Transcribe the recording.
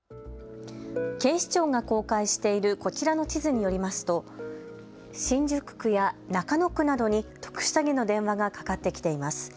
警視庁が公開しているこちらの地図によりますと新宿区や中野区などに特殊詐欺の電話がかかってきています。